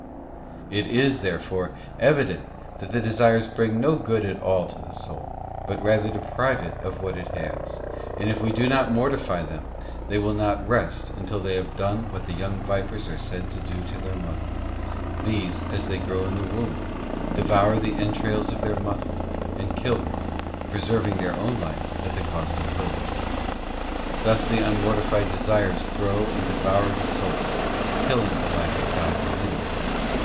t It is, therefore, evident that the desires bring no good at all to the soul, but rather deprive it of what it has, and if we do not mortify them, they will not rest until they have done what the young vipers are said to do to their mother: these, as they grow in the womb, devour the entrails of their mother, and kill her, preserving their own life at the cost of hers. Thus the unmortified desires grow and devour the soul, killing the life of God within it.